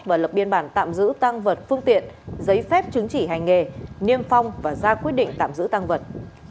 và lập biên bản tạm giữ tăng vật phương tiện giấy phép chứng chỉ hành nghề niêm phong và ra quyết định tạm giữ tăng vật